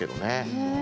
へえ。